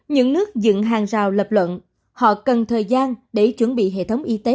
những nước dựng hàng rào lập luận họ cần thời gian để chuẩn bị hệ thống y tế